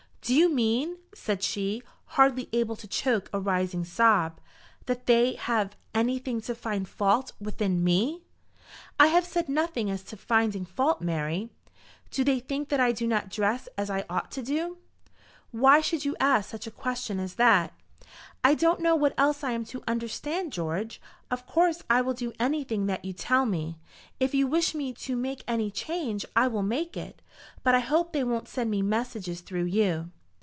"Do you mean," said she, hardly able to choke a rising sob, "that they have anything to find fault with in me?" "I have said nothing as to finding fault, Mary." "Do they think that I do not dress as I ought to do?" "Why should you ask such a question as that?" "I don't know what else I am to understand, George. Of course I will do anything that you tell me. If you wish me to make any change, I will make it. But I hope they won't send me messages through you."